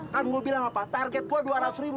kan gue bilang apa target gue dua ratus ribu